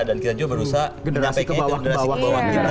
dan kita juga berusaha menyampaikan generasi ke bawah kita